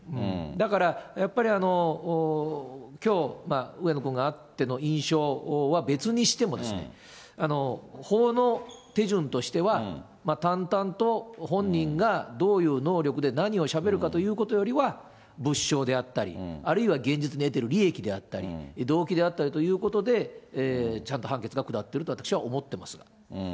だから、やっぱりきょう、上野君が会っての印象は別にしてもですね、法の手順としては、淡々と本人がどういう能力で何をしゃべるかということよりは、物証であったり、あるいは現実に得てる利益であったり、動機であったりということで、ちゃんと判決が下っていると私は思っていますが。